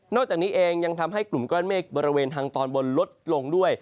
จากนี้เองยังทำให้กลุ่มก้อนเมฆบริเวณทางตอนบนลดลงด้วย